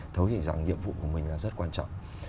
thấu hiểu rằng nhiệm vụ của mình là rất quan trọng